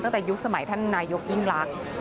ตั้งแต่ยุคสมัยท่านนายยกอิ่มรัก